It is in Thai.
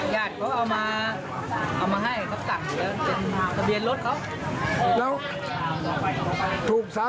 ยาดเขาเอามาให้เขาจัดแล้วสะเบียนรถเขา